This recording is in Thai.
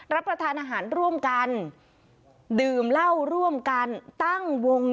รับประทานอาหารร่วมกัน